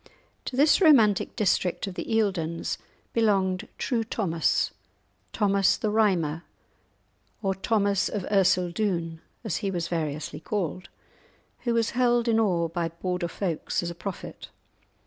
To this romantic district of the Eildons belonged True Thomas, Thomas the Rhymer, or Thomas of Ercildoune, as he was variously called, who was held in awe by Border folks as a prophet.